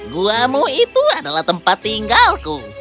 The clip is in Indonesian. guamu adalah tempat tinggalku